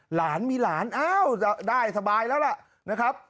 หลานมีหลานอ้าวได้สบายแล้วล่ะ